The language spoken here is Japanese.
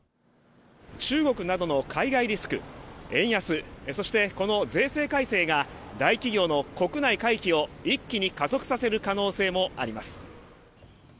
中国などの海外リスク、円安そして、この税制改正が大企業の国内回帰を一気に加速させる可能性もあります。